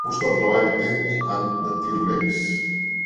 Busca el treball Tammy and the T-Rex.